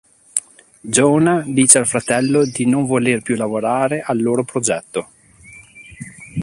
Jonah dice al fratello di non voler più lavorare al loro "progetto".